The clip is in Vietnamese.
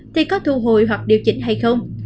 thì có thu hồi hoặc điều chỉnh hay không